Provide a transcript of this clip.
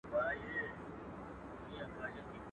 چي نن سپک سي، سبا ورک سي.